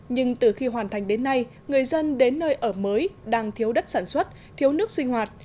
nhưng từ khi hoàn thành đến nay người dân đến nơi ở mới đang thiếu đất sản xuất thiếu nước sinh hoạt